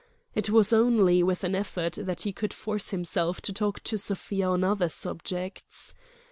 It was only with an effort that he could force himself to talk to Sofia on other subjects.